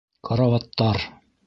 Карауаттар...